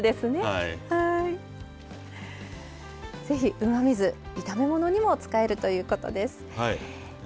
ぜひうまみ酢炒め物にも使えるということです。